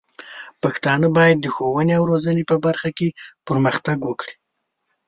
پښتانه بايد د ښوونې او روزنې په برخه کې پرمختګ وکړي.